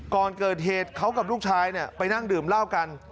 ก่อนเกิดเหตุเขากับลูกชายไปนั่งดื่มเหล้ากัน